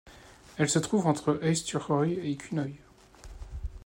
Elle se trouve entre Eysturoy et Kunoy.